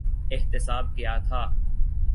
احتساب کیا تھا۔